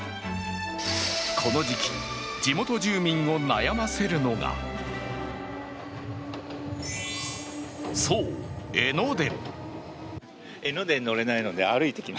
この時期、地元地味を悩ませるのがそう、江ノ電。